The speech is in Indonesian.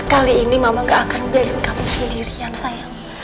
kali ini mama gak akan biarin kamu sendirian sayang